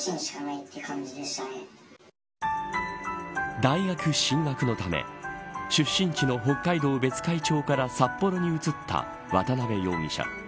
大学進学のため出身地の北海道別海町から札幌に移った渡辺容疑者。